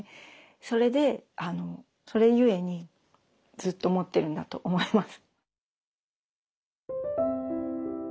それでそれゆえにずっと持ってるんだと思います。